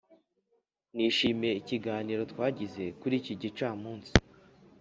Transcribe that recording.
nishimiye ikiganiro twagize kuri iki gicamunsi.